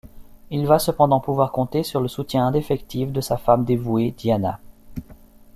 Il va cependant pouvoir compter sur le soutien indéfectible de sa femme dévouée Diana.